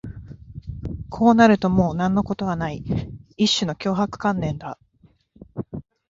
こうなるともう何のことはない、一種の脅迫観念だ